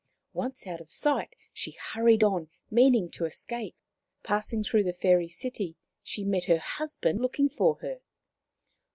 Once out of sight, she hurried on, meaning to escape. Passing through the fairy city, she met her husband looking for her.